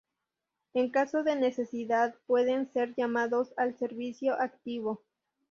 En caso de necesidad, pueden ser llamados al servicio activo.